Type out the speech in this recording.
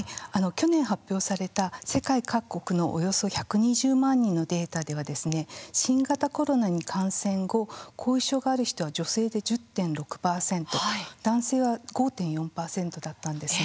去年発表された世界各国のおよそ１２０万人のデータでは新型コロナに感染後後遺症がある人は女性で１０．６％男性は５．４％だったんですね。